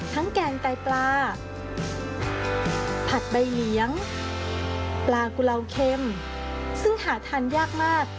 แกงไตปลาผัดใบเลี้ยงปลากุลาวเค็มซึ่งหาทานยากมาก